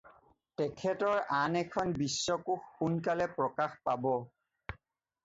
তেখেতৰ আন এখন বিশ্বকোষ সোনকালে প্ৰকাশ পাব।